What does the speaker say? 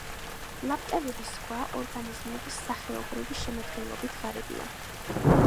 ლაპტევების ზღვა ორგანიზმების სახეობრივი შემადგენლობით ღარიბია.